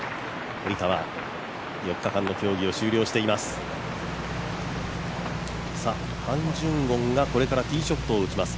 堀川、４日間の競技を終了しています。